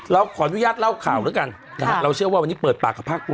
เราขออนุญาตเล่าข่าวแล้วกันนะฮะเราเชื่อว่าวันนี้เปิดปากกับภาคภูมิ